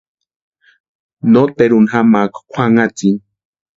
Noteruni jamaaka kwʼanhatsini.